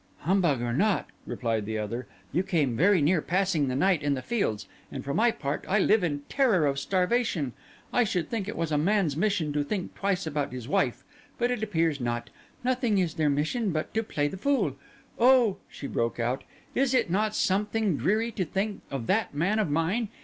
"Humbug or not," replied the other, "you came very near passing the night in the fields; and, for my part, I live in terror of starvation. I should think it was a man's mission to think twice about his wife. But it appears not. Nothing is their mission but to play the fool. Oh!" she broke out, "is it not something dreary to think of that man of mine?